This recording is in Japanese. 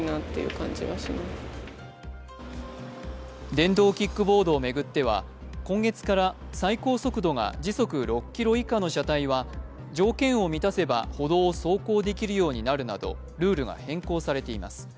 電動キックボードを巡っては今月から最高速度が時速６キロ以下の車体は条件を満たせば歩道を走行できるようになるなどルールが変更されています。